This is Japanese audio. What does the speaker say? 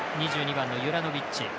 ２２番のユラノビッチ。